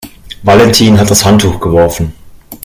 Valentin hat das Handtuch geworfen.